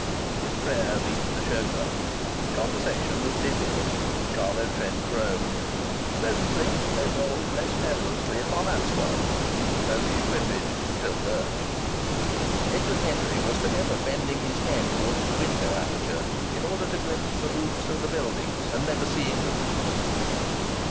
His prayer reached the chauffeur. Conversation was difficult; Carlo Trent groaned. Presently they rolled less perilously upon asphalt, though the equipage still lurched. Edward Henry was for ever bending his head towards the window aperture in order to glimpse the roofs of the buildings, and never seeing the roofs.